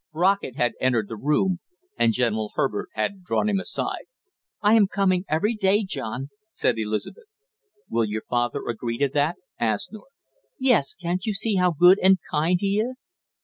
Brockett had entered the room and General Herbert had drawn him aside. "I am coming every day, John!" said Elizabeth. "Will your father agree to that?" asked North. "Yes, can't you see how good and kind he is!"